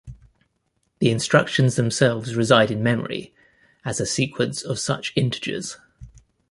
The instructions themselves reside in memory as a sequence of such integers.